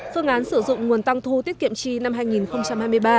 phương án sử dụng nguồn tăng thu tiết kiệm chi năm hai nghìn hai mươi ba